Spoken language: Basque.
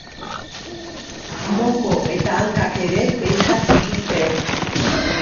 Moko eta hanka ere beltzak dituzte.